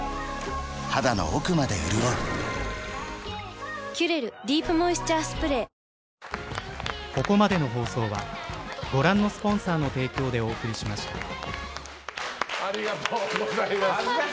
肌の奥まで潤う「キュレルディープモイスチャースプレー」ありがとうございます。